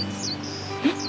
えっ？